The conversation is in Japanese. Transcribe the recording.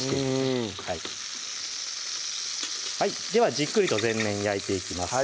うんではじっくりと全面焼いていきます